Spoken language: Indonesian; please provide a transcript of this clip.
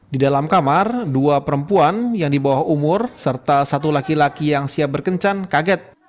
di dalam kamar dua perempuan yang di bawah umur serta satu laki laki yang siap berkencan kaget